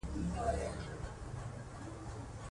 حديث کي راځي: څوک چې څه خوراک وخوري او بيا دا دعاء ووايي: